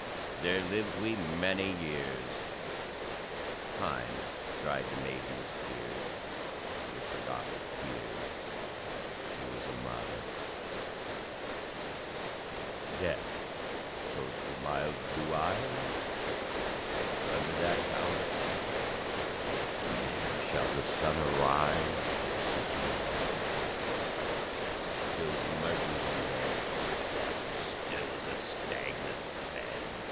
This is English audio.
"There lived we many years; Time dried the maiden's tears; She had forgot her fears, She was a mother; Death closed her mild blue eyes, Under that tower she lies; Ne'er shall the sun arise On such another! "Still grew my bosom then, Still as a stagnant fen!